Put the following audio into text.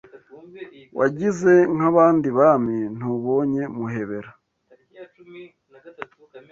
Wagize nk’abandi Bami Ntubonye Muhebera